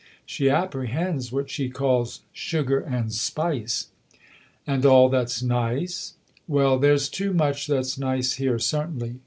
" "She apprehends what she calls ' sugar and spice.' "" 'And all that's nice?' Well, there's too much that's nice here, certainly!